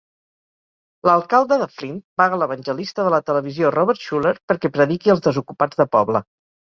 L'alcalde de Flint paga l'evangelista de la televisió Robert Schuller perquè prediqui als desocupats de poble.